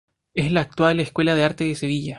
Es la actual Escuela de Arte de Sevilla.